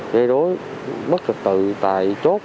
gây đối mất thực tự tại chốt